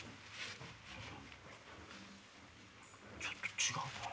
ちょっと違うかな？